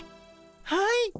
はい。